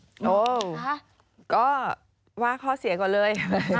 โอ้วก็ว่าข้อเสียกว่าเลย